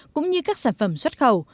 cũng như các sản phẩm xuất khẩu